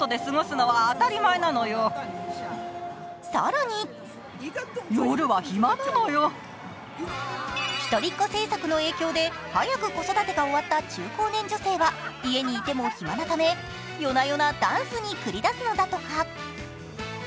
更に一人っ子政策の影響で早く子育てが終わった中高年女性は家にいても暇なため、夜な夜なダンスに繰り出すのだとか。